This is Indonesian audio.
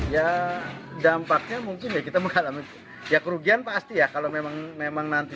ya dampaknya mungkin ya kita mengalami ya kerugian pasti ya kalau memang nanti